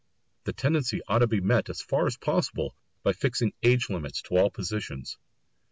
The tendency ought to be met as far as possible by fixing age limits to all positions.